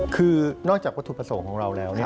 คือนอกจากวัตถุประสงค์ของเราแล้ว